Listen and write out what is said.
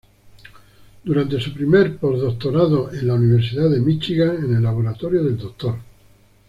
Durante su primer postdoctorado en la Universidad de Míchigan, en el laboratorio del Dr.